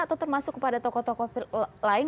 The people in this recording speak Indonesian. atau termasuk kepada tokoh tokoh lain